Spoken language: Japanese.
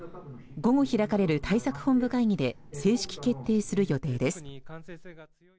午後開かれる対策本部会議で正式決定する予定です。